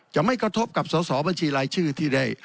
จะไม่กระทบกับสอสอบัญชีรายชื่อที่ได้